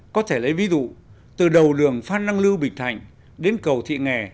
có thể lấy ví dụ từ đầu đường phan năng lưu bình thạnh đến cầu thị nghè